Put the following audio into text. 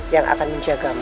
yang akan menjagamu